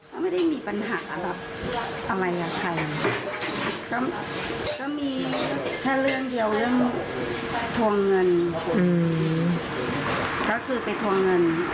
โป๊ะแล้วอาม่าก็นอนเลยอย่างนี้